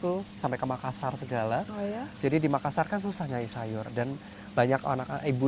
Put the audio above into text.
tuh sampai ke makassar segala oh ya jadi di makassar kan susah nyanyi sayur dan banyak anak anak ibu